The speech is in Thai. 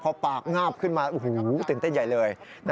พอปากงาบขึ้นมาตื่นเต้นใหญ่เลย